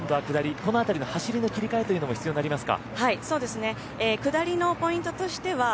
この辺りの走りの切り替えも必要になりますか？